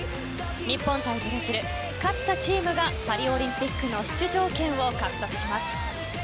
日本対ブラジル勝ったチームがパリオリンピックの出場権を獲得します。